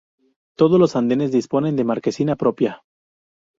Todos los andenes disponen de marquesina propia.